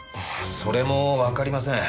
それもわかりません。